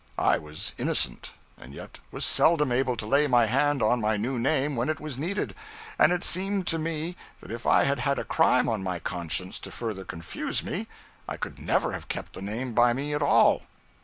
I was innocent; and yet was seldom able to lay my hand on my new name when it was needed; and it seemed to me that if I had had a crime on my conscience to further confuse me, I could never have kept the name by me at all.